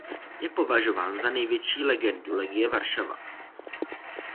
Je považován za největší legendu Legie Warszawa.